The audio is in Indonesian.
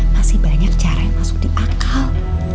masih banyak cara yang masuk di akal